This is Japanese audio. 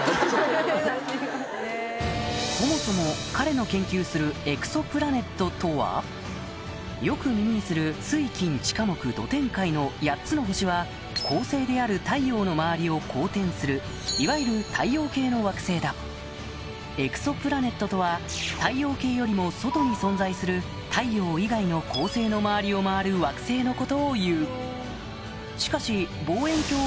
そもそも彼の研究するよく耳にする「水金地火木土天海」の８つの星は恒星である太陽の周りを公転するいわゆるＥｘｏｐｌａｎｅｔとは太陽系よりも外に存在する太陽以外の恒星の周りを回る惑星のことをいう